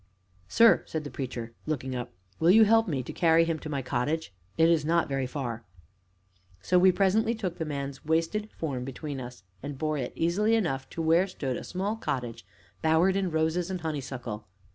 "Sir," said the Preacher, looking up, "will you help me to carry him to my cottage? It is not very far." So we presently took the man's wasted form between us and bore it, easily enough, to where stood a small cottage bowered in roses and honeysuckle.